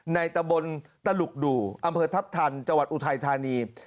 ในตะบลตะลุกดูอำเภอทัพทันจอุทัยธานี